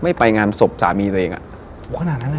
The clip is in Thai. ไม่ไปงานศพสามีตัวเองอะ